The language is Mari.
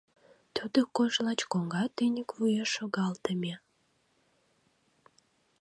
Тудо кож лач коҥга тӱньык вуеш шогалтыме...